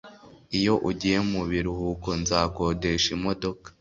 Iyo ngiye mu biruhuko nzakodesha imodoka